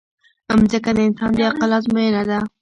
مځکه د انسان د عقل ازموینه ده.